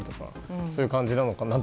そういう感じなのかなと。